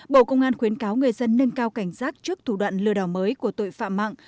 bộ công an khuyến cáo người dân nâng cao cảnh giác trước thủ đoạn lừa đảo mới của tội phạm mạng